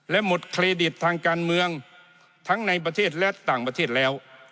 และหมดเครดิตทางการเมืองทั้งในประเทศและต่างประเทศแล้ว